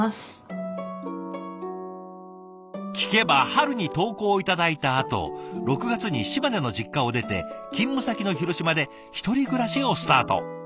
聞けば春に投稿を頂いたあと６月に島根の実家を出て勤務先の広島で一人暮らしをスタート。